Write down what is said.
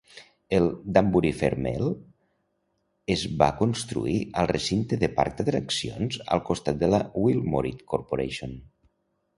El Danbury Fair Mal es va construir al recinte de parc d'atraccions al costat de la Wilmorite Corporation.